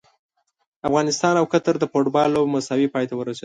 افغانستان او قطر د فوټبال لوبه مساوي پای ته ورسیده!